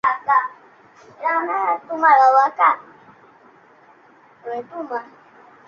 এ উপলক্ষে জুলাইয়ের শেষের দিকে তিনি পার্থের রাজ্য বাস্কেটবল সেন্টারে একটি প্যারালিম্পিক বিদায়ী অনুষ্ঠানে উপস্থিত ছিলেন।